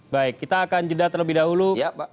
baik kita akan jeda terlebih dahulu